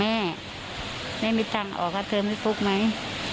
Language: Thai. แม่ไม่มีตังค์ออกก็เติมให้ฟุกไหม